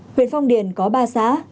huyện phong điền có ba xã